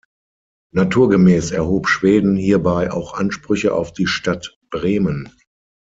Naturgemäß erhob Schweden hierbei auch Ansprüche auf die Stadt Bremen.